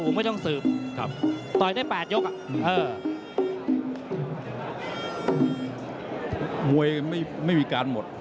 มวยไม่มากรอดหมด